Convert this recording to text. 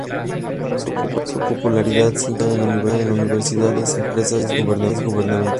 Su popularidad se incrementa en universidades, empresas y agencias gubernamentales.